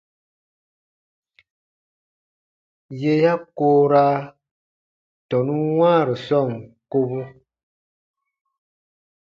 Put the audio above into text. Yè ya koora tɔnun wãaru sɔɔn kobun.